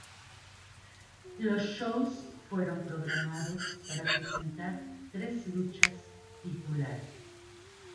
Los shows fueron programados para presentar tres luchas titulares.